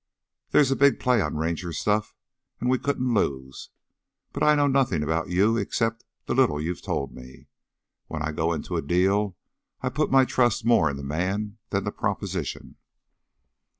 There's a big play on Ranger stuff and we couldn't lose. But I know nothing about you except the little you've told me. When I go into a deal I put my trust more in the man than the proposition."